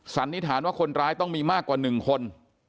สันนิษฐานว่าคนร้ายต้องมีมากกว่า๑คน